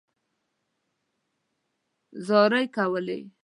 زارۍ کولې.